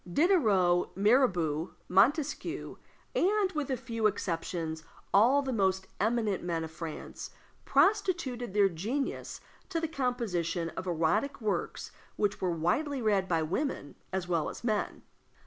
Diderot, Mirabeau, Montesquieu, and, with few exceptions, all the most eminent men of France, prostituted their genius to the composition of erotic works which were widely read by women as well as men.